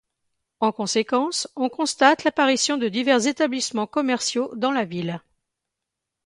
En conséquence, on constate l’apparition de divers établissements commerciaux dans la ville.